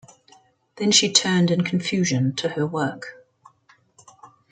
Then she turned in confusion to her work.